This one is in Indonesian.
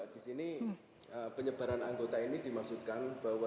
di sini penyebaran anggota ini dimaksudkan bahwa dari comment center bisa memberikan